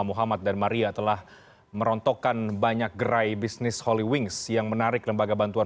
muhammad dan maria telah merontokkan banyak gerai bisnis holy wings yang menarik lembaga bantuan